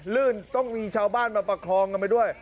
ลื่นต้องมีชาวบ้านมาประคองกันไปด้วย